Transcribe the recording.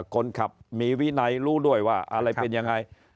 คนขับมีวินัยรู้ด้วยว่าอะไรเป็นยังไง